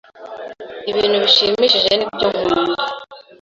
ibintu bishimishije nibyo nkunda .